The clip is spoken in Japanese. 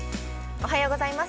◆おはようございます。